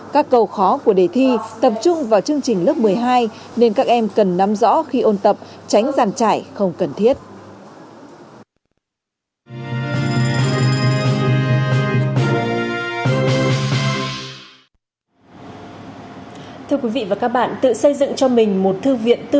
các cầu khó của đề thi tập trung vào chương trình lớp một mươi hai nên các em cần nắm rõ khi ôn tập tránh giàn trải không cần thiết